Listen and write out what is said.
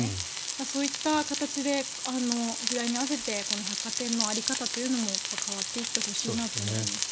そういった形で時代に合わせて百貨店の在り方というのも変わっていってほしいなと思いますね。